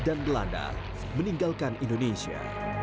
dan belanda meninggalkan indonesia